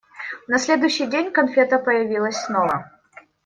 На следующий день конфета появилась снова.